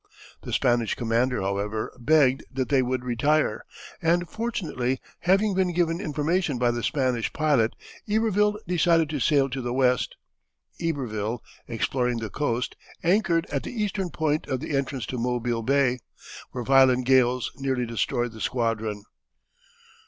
The Spanish commander, however, begged that they would retire, and fortunately having been given information by the Spanish pilot, Iberville decided to sail to the west. Iberville, exploring the coast, anchored at the eastern point of the entrance to Mobile Bay, where violent gales nearly destroyed the squadron. [Illustration: Bienville.